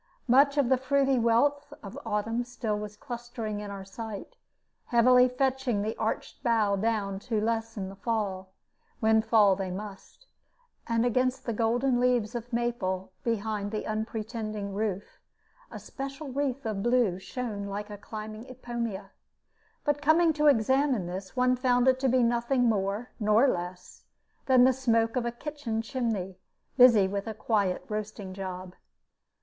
Much of the fruity wealth of autumn still was clustering in our sight, heavily fetching the arched bough down to lessen the fall, when fall they must. And against the golden leaves of maple behind the unpretending roof a special wreath of blue shone like a climbing Ipomaea. But coming to examine this, one found it to be nothing more nor less than the smoke of the kitchen chimney, busy with a quiet roasting job.